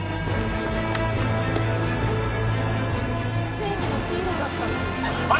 正義のヒーローだったって。